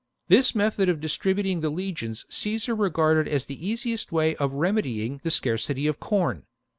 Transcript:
This method of distributing the legions Caesar regarded as the easiest way of remedying the scarcity of corn.